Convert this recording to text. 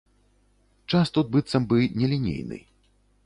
Час тут быццам бы нелінейны.